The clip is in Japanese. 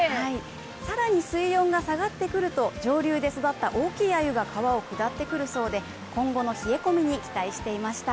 更に水温が下がってくると上流で育った大きい鮎が川を下ってくるそうで、今後の冷え込みに期待していました。